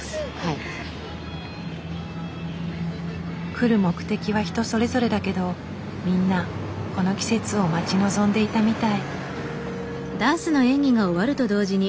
来る目的は人それぞれだけどみんなこの季節を待ち望んでいたみたい。